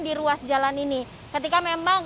di ruas jalan ini ketika memang